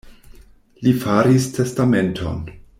Li faris testamenton.